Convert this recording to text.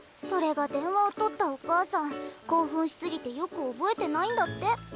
それが電話を取ったお母さん興奮しすぎてよく覚えてないんだって。